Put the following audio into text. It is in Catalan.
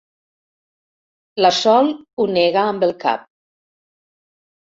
La Sol ho nega amb el cap.